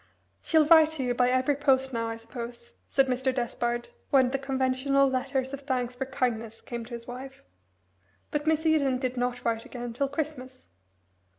"She'll write to you by every post now, I suppose," said Mr. Despard when the conventional letter of thanks for kindness came to his wife. But Miss Eden did not write again till Christmas.